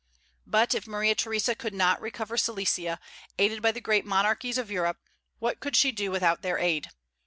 But if Maria Theresa could not recover Silesia, aided by the great monarchies of Europe, what could she do without their aid?